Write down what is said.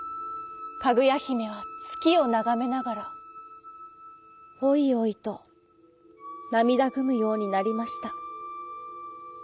かぐやひめはつきをながめながらおいおいとなみだぐむようになりました。